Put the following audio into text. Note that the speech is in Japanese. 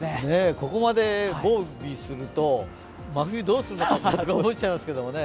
ここまで防備すると、真冬どうするのかって思っちゃいますけどね。